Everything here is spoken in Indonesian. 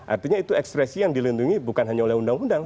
artinya itu ekspresi yang dilindungi bukan hanya oleh undang undang